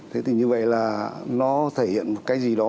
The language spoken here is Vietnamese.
thế thì như vậy là nó thể hiện cái gì đó